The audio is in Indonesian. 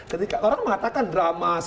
ketika orang mengatakan drama